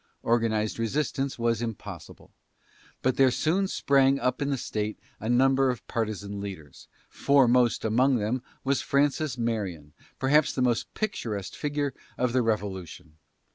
Organized resistance was impossible, but there soon sprang up in the state a number of partisan leaders, foremost among whom was Francis Marion, perhaps the most picturesque figure of the Revolution.